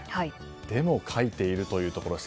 でも書いているというところ。